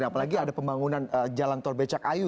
apalagi ada pembangunan jalan tol becak ayu